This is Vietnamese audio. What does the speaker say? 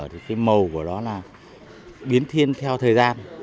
thì cái màu của nó là biến thiên theo thời gian